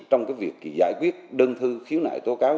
trong cái việc giải quyết đơn thư khiếu nại tố cáo